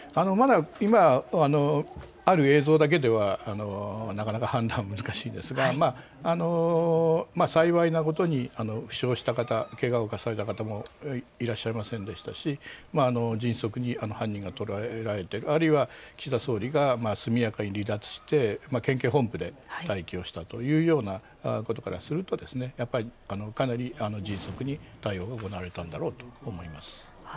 まだ今ある映像だけではなかなか判断は難しいですが、幸いなことに負傷した方、けがをされた方もいらっしゃいませんでしたし、迅速に犯人が捕らえられてあるいは岸田総理が速やかに離脱して県警本部で待機をしたというようなことからするとかなり迅速に対応が行われたんだろうと思います。